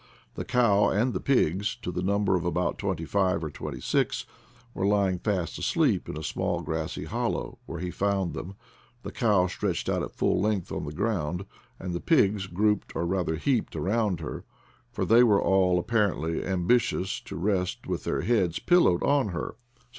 The cow and the pigs, to the number of about twenty five or twenty six, were lying fast asleep in a small grassy hollow where he found them, the cow stretched out at full length on the ground, and the pigs grouped or rather heaped around her; for they were all apparently ambi tious to rest with their heads pillowed on her, so.